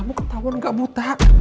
kamu ketawar gak buta